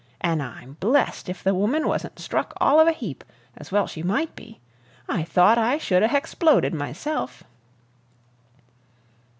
An' I'm blessed if the woman wasn't struck all of a heap, as well she might be! I thought I should 'a' hex plodid, myself!"